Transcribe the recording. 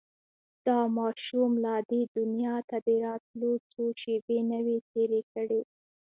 دا ماشوم لا دې دنيا ته د راتلو څو شېبې نه وې تېرې کړې.